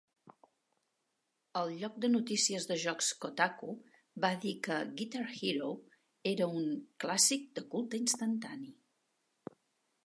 El lloc de notícies de jocs Kotaku va dir que "Guitar Hero" era un "clàssic de culte instantani".